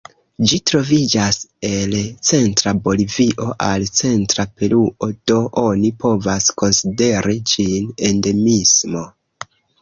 Ĝi troviĝas el centra Bolivio al centra Peruo, do oni povas konsideri ĝin endemismo.